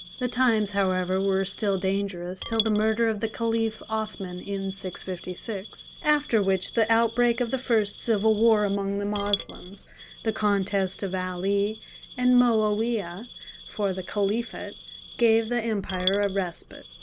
The times, however, were still dangerous till the murder of the Caliph Othman in 656, after which the outbreak of the first civil war among the Moslems—the contest of Ali and Moawiah for the Caliphate—gave the empire a respite.